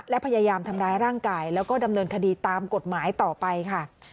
และพยายามทำร้ายร่างกายแล้วก็ดำเนินคดีตามกฎหมายต่อไปค่ะ